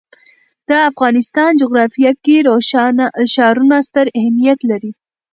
د افغانستان جغرافیه کې ښارونه ستر اهمیت لري.